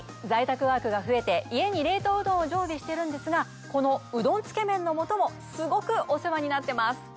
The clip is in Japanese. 在宅ワークが増えて家に冷凍うどんを常備してるんですがこのうどんつけ麺の素もすごくお世話になってます。